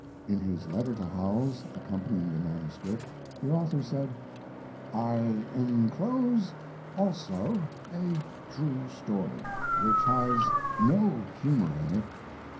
In his letter to Howells, accompanying the MS., the author said: I inclose also "A True Story," which has no humor in it.